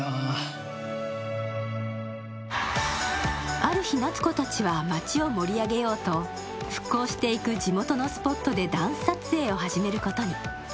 ある日、夏子たちは町を盛り上げようと、復興していく地元のスポットでダンス撮影を始めることに。